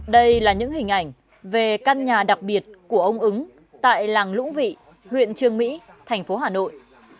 đây là những hình ảnh về căn nhà đặc biệt của ông ứng tại làng lũng vị huyện trương mỹ thành phố hà nội